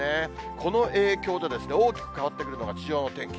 この影響でですね、大きく変わってくるのが地上の天気。